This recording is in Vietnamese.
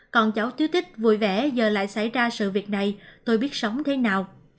con cháu tiếu tích vui vẻ giờ lại xảy ra sự việc này tôi biết sống thế nào